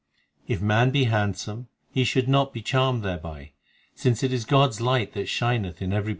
2 If man be handsome, he should not be charmed thereby, Since it is God s light that shineth in everybody.